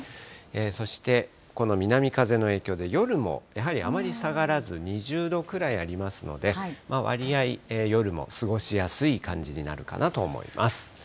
そしてこの南風の影響で、夜もやはりあまり下がらず、２０度くらいありますので、割合、夜も過ごしやすい感じになるかなと思います。